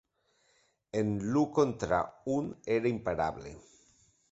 En l'u contra un era imparable.